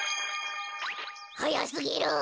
はやすぎる！